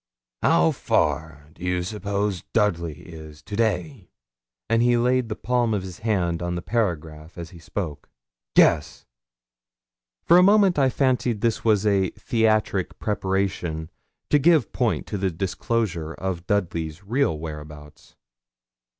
'How far do you suppose Dudley is to day?' and he laid the palm of his hand on the paragraph as he spoke. Guess!' For a moment I fancied this was a theatric preparation to give point to the disclosure of Dudley's real whereabouts.